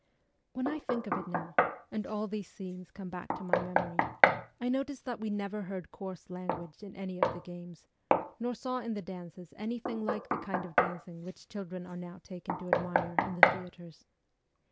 When I think of it now, and all these scenes come back to my memory, I notice that we never heard coarse language in any of the games, nor saw in the dances anything like the kind of dancing which children are now taken to admire in the theatres.